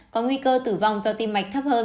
có nguy cơ tử vong do tim mạch thấp hơn một mươi chín